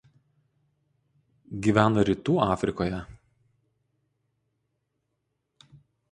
Gyvena Rytų Afrikoje.